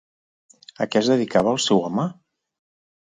A què es dedicava el seu home?